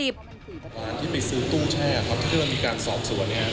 คนที่ไปซื้อตู้แช่ถ้าเกิดมีการสอบส่วน